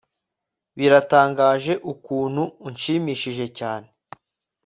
biratangaje ukuntu unshimishije cyane